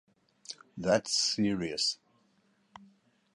That’s serious.